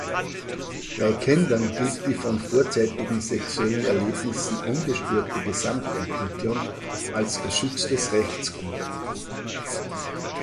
Bei Kindern gilt die von vorzeitigen sexuellen Erlebnissen ungestörte Gesamtentwicklung als geschütztes Rechtsgut.